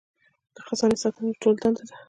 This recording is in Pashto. د خزانې ساتنه د ټولو دنده ده.